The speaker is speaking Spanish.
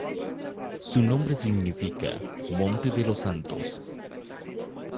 Su nombre significa "Monte de los Santos".